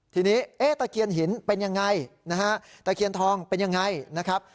ทีนี้เอ๊ะตะเคียนหินเป็นยังไงนะฮะตะเคียนทองเป็นยังไงนะครับ